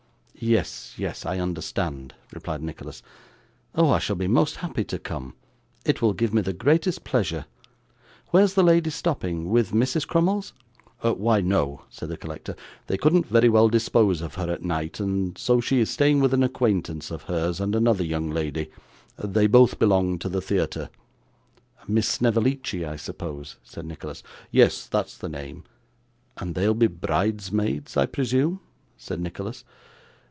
'Yes, yes, I understand,' replied Nicholas. 'Oh, I shall be most happy to come; it will give me the greatest pleasure. Where's the lady stopping with Mrs. Crummles?' 'Why, no,' said the collector; 'they couldn't very well dispose of her at night, and so she is staying with an acquaintance of hers, and another young lady; they both belong to the theatre.' 'Miss Snevellicci, I suppose?' said Nicholas. 'Yes, that's the name.' 'And they'll be bridesmaids, I presume?' said Nicholas.